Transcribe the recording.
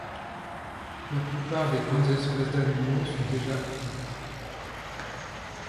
La plupart des grandes espèces d'animaux sont déjà éteintes.